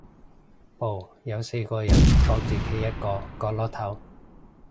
部有四個人，各自企一個角落頭